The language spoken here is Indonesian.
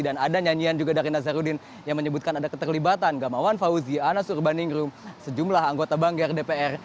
dan ada nyanyian juga dari nazarudin yang menyebutkan ada keterlibatan gamawan fauzi anas urbaningrum sejumlah anggota bangga rdpr